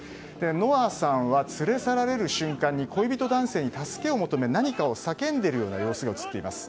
ノアさんは連れ去られる瞬間に恋人男性に助けを求め何かを叫んでいるような様子が映っています。